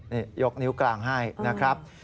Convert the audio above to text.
นี่ยกนิ้วกลางให้นะครับ